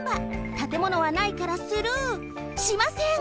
たてものはないからスルーしません！